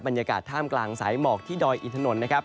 บรรยากาศท่ามกลางสายหมอกที่ดอยอินถนนนะครับ